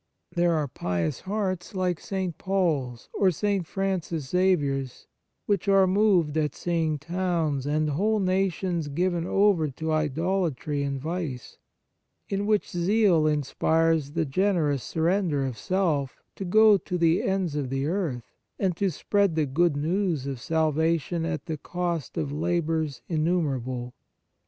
There are pious hearts, like St. Paul's or St. Francis Xavier's, which are moved at seeing towns and whole nations given over to idolatry and vice, in which zeal inspires the generous surrender of self to go to the ends of the earth, and to spread the good news of salvation at the cost of labours innumerable.